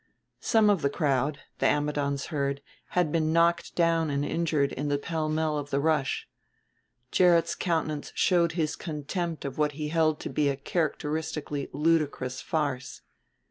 Some of the crowd, the Ammidons heard, had been knocked down and injured in the pell mell of the rush. Gerrit's countenance showed his contempt of what he held to be a characteristically ludicrous farce.